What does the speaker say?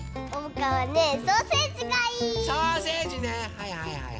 はいはいはい。